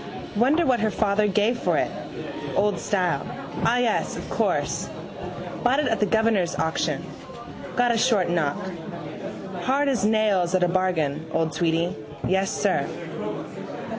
Wonder what her father gave for it. Old style. Ah yes! of course. Bought it at the governor's auction. Got a short knock. Hard as nails at a bargain, old Tweedy. Yes, sir.